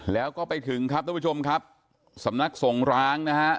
แล้วก็ไปถึงครับทุกผู้ชมครับสำนักสงร้างนะฮะ